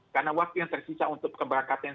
karena waktu yang tersisa untuk keberangkatan